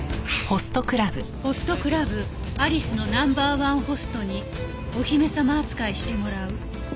「ホストクラブ・アリスのナンバー１ホストにお姫様扱いしてもらう」